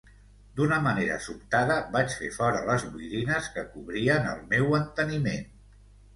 D'una manera sobtada, vaig fer fora les boirines que cobrien el meu enteniment.